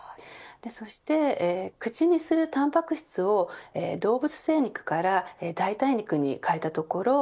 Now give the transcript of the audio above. そして口にするたんぱく質を動物性肉から代替肉に変えたところ